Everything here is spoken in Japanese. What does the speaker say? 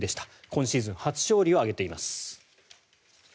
今シーズン初勝利を挙げています。